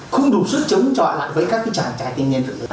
không đủ sức chống trọi lại với các chàng trai tình nguyên lực